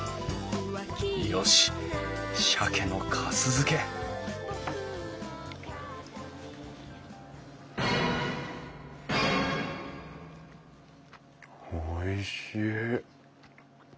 よし鮭のかす漬けおいしい。